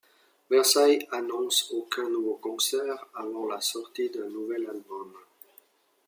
Versailles annonce aucun nouveau concert avant la sortie d'un nouvel album.